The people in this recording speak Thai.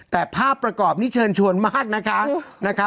แต่ภาพประกอบนี่เชิญชวนมากนะคะ